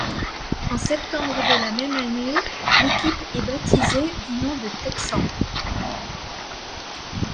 En septembre de la même année, l'équipe est baptisée du nom de Texans.